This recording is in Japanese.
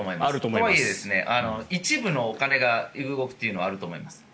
とはいえ、一部のお金が動くというのはあると思います。